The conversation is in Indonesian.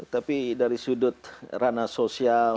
tapi dari sudut ranah sosial